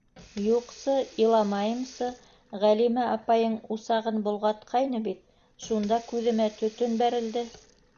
— Юҡсы, иламайымсы, Ғәлимә апайың усағын болғатҡайны бит, шунда күҙемә төтөн бәрелде...